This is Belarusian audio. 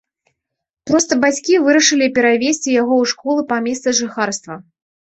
Проста бацькі вырашылі перавесці яго ў школу па месцы жыхарства.